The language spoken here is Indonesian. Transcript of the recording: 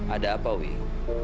ada apa wih